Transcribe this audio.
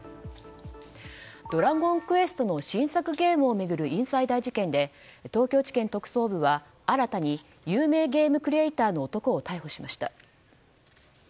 「ドラゴンクエスト」の新作ゲームを巡るインサイダー事件で東京地検特捜部は新たに有名ゲームクリエイターの男を逮捕しました。